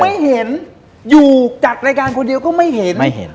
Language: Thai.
ไม่เห็นอยู่จากรายการคนเดียวก็ไม่เห็นไม่เห็น